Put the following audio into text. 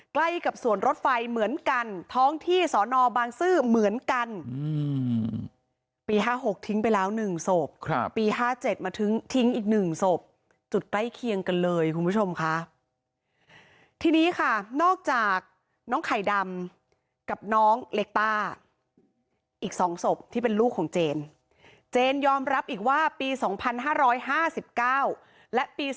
ใกล้กับสวนรถไฟเหมือนกันท้องที่สอนอบางซื่อเหมือนกันปี๕๖ทิ้งไปแล้ว๑ศพปี๕๗มาทิ้งอีก๑ศพจุดใกล้เคียงกันเลยคุณผู้ชมค่ะทีนี้ค่ะนอกจากน้องไข่ดำกับน้องเล็กต้าอีก๒ศพที่เป็นลูกของเจนเจนยอมรับอีกว่าปี๒๕๕๙และปี๒๕